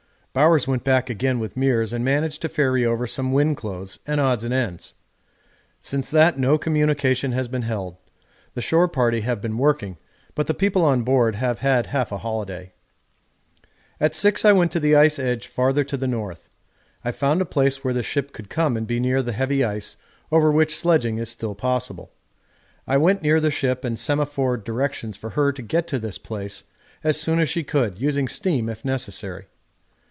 Bowers went back again with Meares and managed to ferry over some wind clothes and odds and ends. Since that no communication has been held; the shore party have been working, but the people on board have had a half holiday. At 6 I went to the ice edge farther to the north. I found a place where the ship could come and be near the heavy ice over which sledging is still possible. I went near the ship and semaphored directions for her to get to this place as soon as she could, using steam if necessary.